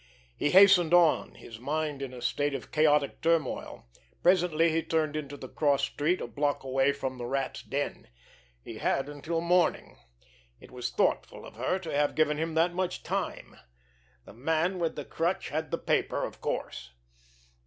He hastened on, his mind in a state of chaotic turmoil. Presently he turned into the cross street, a block away from the Rat's den. He had until morning. It was thoughtful of her to have given him that much time! The Man with the Crutch had the paper, of course.